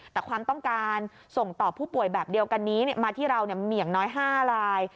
แต่ความต้องการส่งต่อผู้ป่วยแบบเดียวกันนี้มาที่เราเหมียงน้อย๕ราย